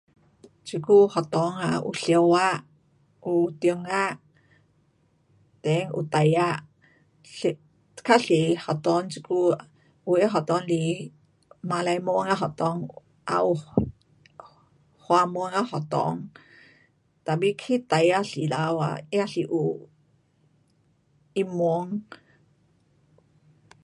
这久学校 um 有小学，有中学，then 有大学，是，较多学校这久，有的学校是马来文的学校，也有 华文的学校，tapi 去大学的时候啊也是有英文。